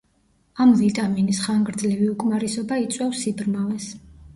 ამ ვიტამინის ხანგრძლივი უკმარისობა იწვევს სიბრმავეს.